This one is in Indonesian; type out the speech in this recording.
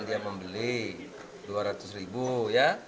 dia membeli dua ratus ribu ya